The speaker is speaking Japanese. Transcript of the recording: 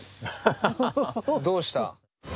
どうした？